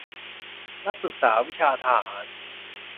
นักศึกษาวิชาทหาร